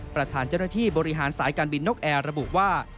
ประธานเจ้าหน้าที่บริหารสายการบินนกแอร์ระบุว่า